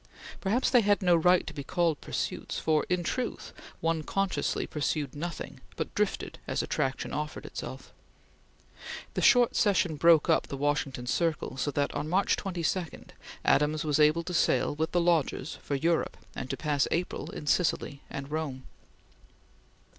Perhaps they had no right to be called pursuits, for in truth one consciously pursued nothing, but drifted as attraction offered itself. The short session broke up the Washington circle, so that, on March 22, Adams was able to sail with the Lodges for Europe and to pass April in Sicily and Rome.